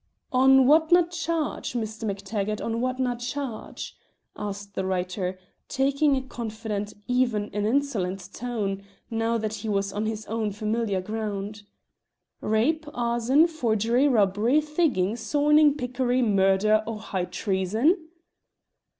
"On whatna charge, Mr. MacTaggart, on whatna charge?" asked the writer, taking a confident, even an insolent, tone, now that he was on his own familiar ground. "Rape, arson, forgery, robbery, thigging, sorning, pickery, murder, or high treason?"